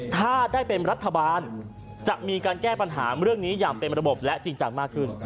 ถ้าได้เป็นรัฐบาลจะมีการแก้ปัญหาเรื่องนี้อย่างเป็นระบบและจริงจังมากขึ้น